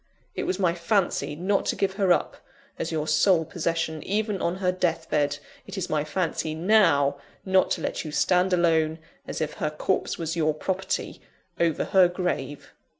It was my fancy not to give her up, as your sole possession, even on her death bed: it is my fancy, now, not to let you stand alone as if her corpse was your property over her grave!"